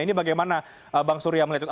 ini bagaimana bang surya melihat